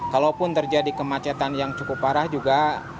kalaupun terjadi kemacetan yang cukup parah juga